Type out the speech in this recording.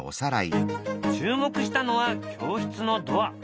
注目したのは教室のドア。